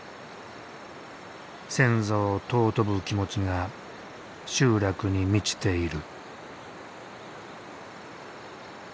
先祖を尊ぶ気持ちが集落に満ちている。